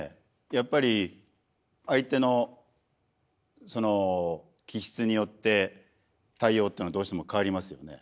やっぱり相手の気質によって対応っていうのはどうしても変わりますよね。